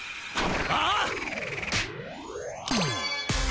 ああ！